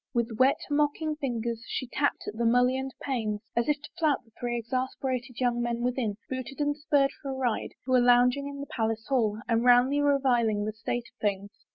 With wet, mocking fingers she tapped at the mullioned panes as if to flout the three exasper ated young men within, booted and spurred for a ride, who were lounging in the palace hall and roundly reviling the state of things.